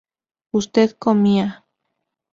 usted comía